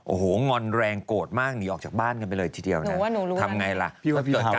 โอ้โหงอนแรงโกรธมากหนีออกจากบ้านกันไปเลยชีวิตเดียวนะครับทำไงล่ะจดการหายหัว